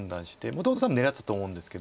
もともと多分狙ってたと思うんですけど。